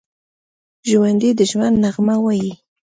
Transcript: ژوندي د ژوند نغمه وايي